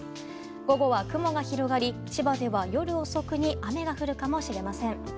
午後は雲が広がり、千葉では夜遅くに雨が降るかもしれません。